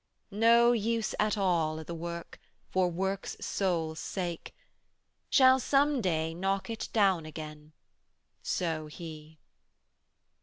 No use at all i' the work, for work's sole sake; 'Shall some day knock it down again: so He.